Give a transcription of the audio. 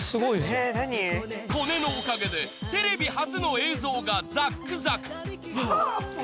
コネのおかげでテレビ初の映像がザックザク。